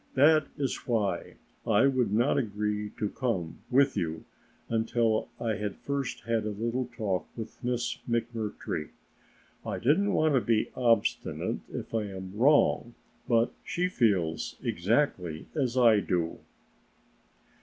That is why I would not agree to come with you until I had first had a little talk with Miss McMurtry. I didn't want to be obstinate if I am wrong, but she feels exactly as I do."